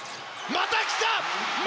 またきた！